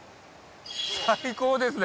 最高ですね